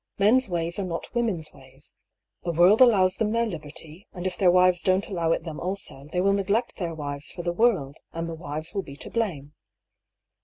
Men's ways are not women's ways. The world allows them their lib erty ; and if their wives don't allow it them also, they will neglect their wives for the world, and the wives will be to blame."